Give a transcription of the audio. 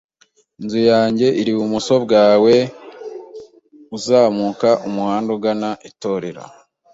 Inzu yanjye iri ibumoso bwawe uzamuka umuhanda ugana itorero.